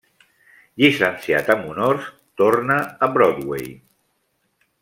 Llicenciat amb honors, torna a Broadway.